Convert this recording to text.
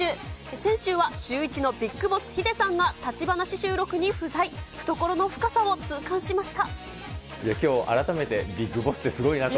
先週はシューイチのビッグボス、ヒデさんが立ち話収録に不在、懐の深さを痛感しました。